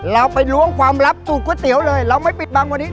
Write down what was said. เราไปล้วงความลับสูตรก๋วยเตี๋ยวเลยเราไม่ปิดบังวันนี้